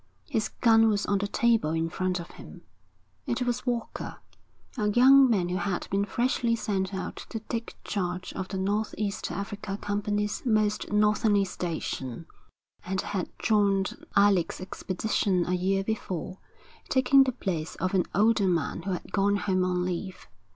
His gun was on the table in front of him. It was Walker, a young man who had been freshly sent out to take charge of the North East Africa Company's most northerly station, and had joined Alec's expedition a year before, taking the place of an older man who had gone home on leave.